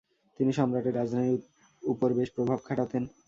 তিনি সম্রাটের রাজনীতির উপর বেশ প্রভাব খাটাতেন।